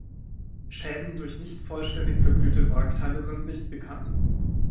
Schäden durch nicht vollständig verglühte Wrackteile sind nicht bekannt.